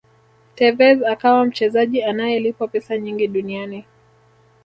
tevez akawa mchezaji anayelipwa pesa nyingi duniani